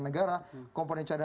ini adalah komponen cadangan